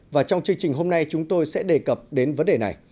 và trong chương trình hôm nay chúng tôi sẽ đề cập đến vấn đề này